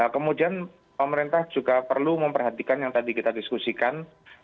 kemudian pemerintah juga perlu memperhatikan yang tadi kita diskusikan